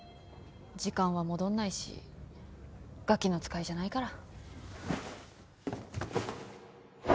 時間は戻んないしガキの使いじゃないから。